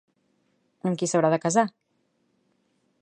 Amb qui s'haurà de casar?